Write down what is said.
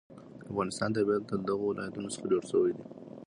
د افغانستان طبیعت له دغو ولایتونو جوړ شوی دی.